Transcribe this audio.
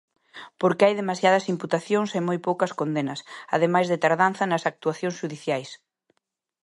Porque hai demasiadas imputacións e moi poucas condenas, ademais de tardanza nas actuacións xudiciais.